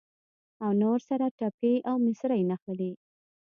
او نه ورسره ټپې او مصرۍ نښلي.